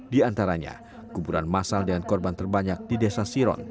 di antaranya kuburan masal dengan korban terbanyak di desa siron